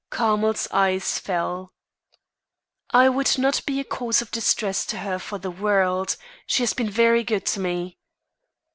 Carmers eyes fell. "I would not be a cause of distress to her for the world. She has been very good to me."